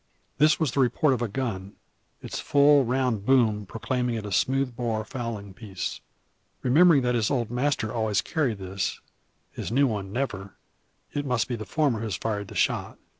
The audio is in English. This was the report of a gun, its full, round boom proclaiming it a smooth bore fowling piece. Remembering that his old master always carried this his new one never it must be the former who fired the shot.